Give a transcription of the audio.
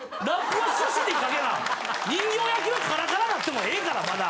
人形焼きはカラカラなってもええからまだ！